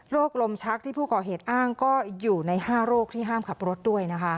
ลมชักที่ผู้ก่อเหตุอ้างก็อยู่ใน๕โรคที่ห้ามขับรถด้วยนะคะ